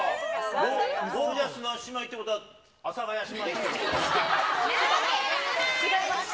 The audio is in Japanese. ゴージャスな姉妹ってことは阿佐ヶ谷姉妹か？